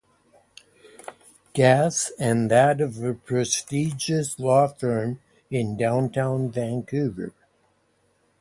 Gas and that of a prestigious law firm in downtown Vancouver.